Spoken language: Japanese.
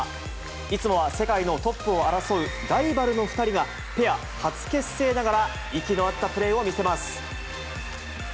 いつもは世界のトップを争うライバルの２人が、ペア初結成ながら、息の合ったプレーを見せます。